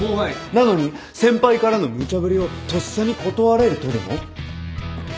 なのに先輩からの無茶振りをとっさに断れるとでも？